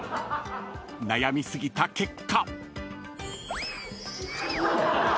［悩み過ぎた結果］